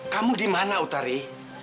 kamu di mana utari